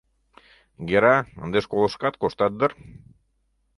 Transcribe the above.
Гера, ынде школышкат коштат дыр?